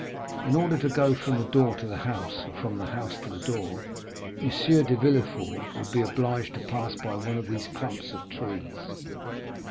In order to go from the door to the house, or from the house to the door, M. de Villefort would be obliged to pass by one of these clumps of trees.